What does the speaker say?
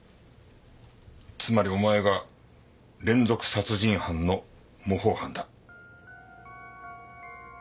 つまりお前が連続殺人犯の模倣犯だ。